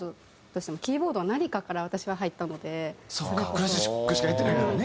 クラシックしかやってないからね。